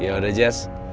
ya udah jess